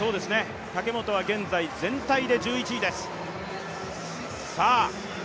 武本は現在全体で１１位です。